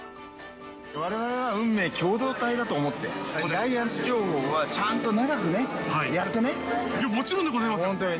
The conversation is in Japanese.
われわれは運命共同体だと思って、ジャイアンツ情報はちゃんと長くね、いや、もちろんでございます本当に。